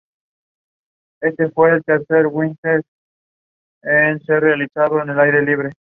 Justo enfrente podemos ver un retablo de la Inmaculada Concepción.